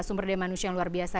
sumber daya manusia yang luar biasa